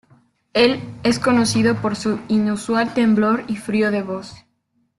Él es conocido por su inusual temblor y frío de voz.